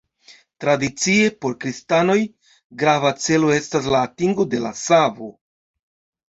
Tradicie, por kristanoj, grava celo estas la atingo de la savo.